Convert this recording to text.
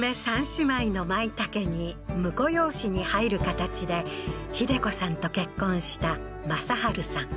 ３姉妹の舞田家に婿養子に入る形で秀子さんと結婚した雅晴さん